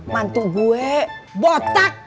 mantu gue botak